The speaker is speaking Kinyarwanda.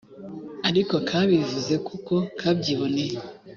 ariko kabivuze kuko kabyiboneye